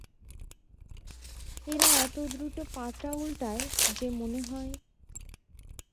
এরা এত দ্রুত পাতা উল্টায় যে মনে হয়।